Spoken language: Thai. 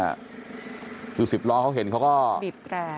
อยู่สิบล้อเขาเห็นเขาก็บีบแกร่